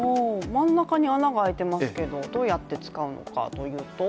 真ん中に穴が開いていますけれどもどうやって使うのかというと？